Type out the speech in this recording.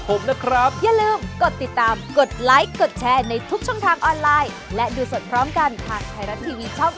โปรดติดตามตอนต่อไป